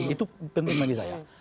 itu penting bagi saya